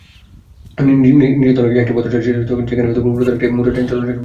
নীচের তলা একটি পথচারী চলাচলের সেতু যেখানে উপরের তলা মূলত একটি মোটরযান চলাচলের সেতু হিসাবে ব্যবহৃত হত।